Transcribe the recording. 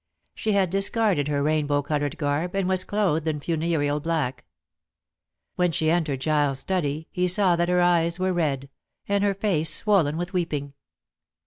She had discarded her rainbow colored garb, and was clothed in funereal black. When she entered Giles' study he saw that her eyes were red, and her face swollen with weeping.